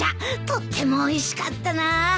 とってもおいしかったな。